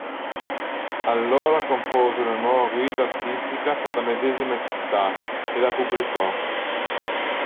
Allora compose la nuova guida artistica per la medesima città e la pubblicò.